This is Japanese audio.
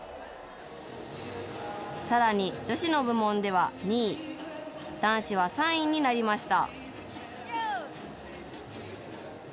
さらに、女子の部門では２位、男子は３位になりました。